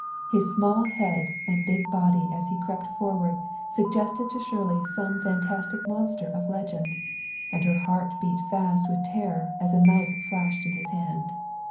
His small head and big body as he crept forward suggested to Shirley some fantastic monster of legend, and her heart beat fast with terror as a knife flashed in his hand.